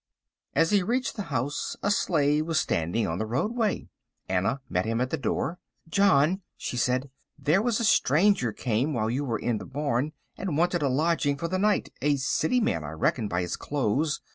As he reached the house a sleigh was standing on the roadway. Anna met him at the door. "John," she said, "there was a stranger came while you were in the barn, and wanted a lodging for the night; a city man, I reckon, by his clothes.